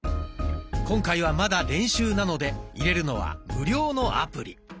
今回はまだ練習なので入れるのは無料のアプリ。